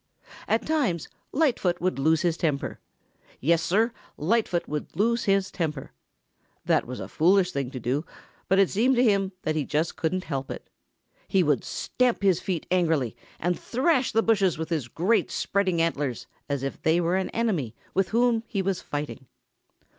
At times Lightfoot would lose his temper. Yes, Sir, Lightfoot would lose his temper. That was a foolish thing to do, but it seemed to him that he just couldn't help it. He would stamp his feet angrily and thrash the bushes with his great spreading antlers as if they were an enemy with whom he was fighting.